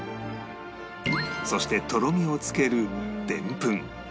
そしてとろみをつけるでんぷん